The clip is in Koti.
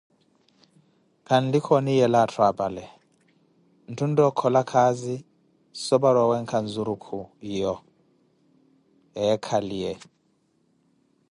Kanlikha oniiyela atthu apale, ntthu ontta okhola khaazi so para owenkha nzurukhu yo eekhaliye.